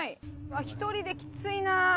１人できついな。